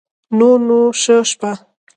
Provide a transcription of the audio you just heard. نور نو شه شپه